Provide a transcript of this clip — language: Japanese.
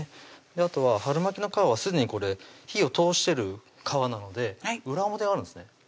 あとは春巻きの皮はすでにこれ火を通してる皮なので裏表があるんですね